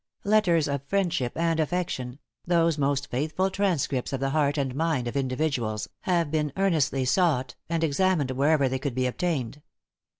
Letters of friendship and affection those most faithful transcripts of the heart and mind of individuals, have been earnestly sought, and examined wherever they could be obtained.